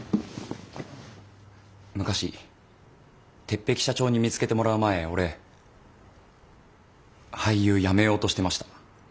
昔鉄壁社長に見つけてもらう前俺俳優やめようとしてました。